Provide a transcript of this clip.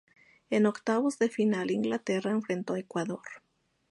En octavos de final, Inglaterra enfrentó a Ecuador.